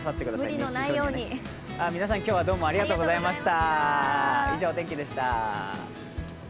今日は皆さんどうもありがとうございました。